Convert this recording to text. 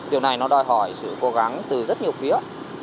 điều này nó đòi hỏi sự cố gắng từ rất nhiều phía